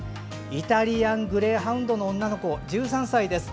イタリアングレーハウンドの女の子、１３歳です。